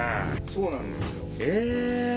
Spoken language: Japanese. そうなんですよ。